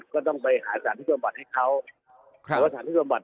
ก็ต้องหาสถานที่ดับบัตร